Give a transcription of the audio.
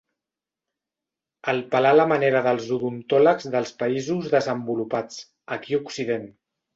El pelà a la manera dels odontòlegs dels països desenvolupats, aquí a Occident.